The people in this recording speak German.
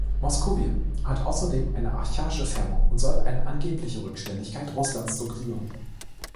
Moskowien hat außerdem eine archaische Färbung und soll eine angebliche Rückständigkeit Russlands suggerieren.